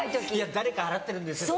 誰か払ってるんですよ。